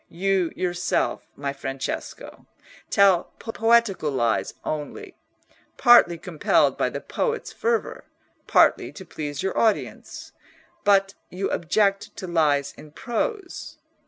You, yourself, my Francesco, tell poetical lies only; partly compelled by the poet's fervour, partly to please your audience; but you object to lies in prose.